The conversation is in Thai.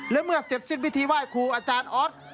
และเมื่อเสร็จสิ้นพิธีไหว้ครูอาจารย์ออส